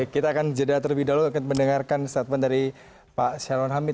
kita akan jeda terlebih dahulu akan mendengarkan statement dari pak syalon hamid